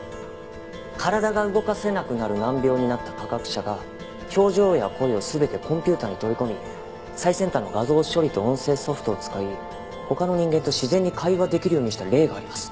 体が動かせなくなる難病になった科学者が表情や声を全てコンピューターに取り込み最先端の画像処理と音声ソフトを使い他の人間と自然に会話できるようにした例があります。